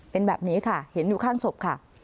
เป็นแบบนี้ค่ะเห็นอยู่ข้างศพค่ะ